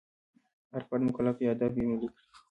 هر فرد مکلف دی آداب عملي کړي.